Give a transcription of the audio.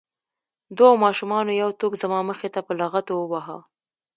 دوو ماشومانو یو توپ زما مخې ته په لغتو وواهه.